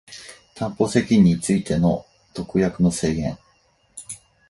担保責任についての特約の制限